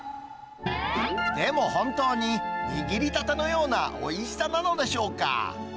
でも本当に握りたてのようなおいしさなのでしょうか？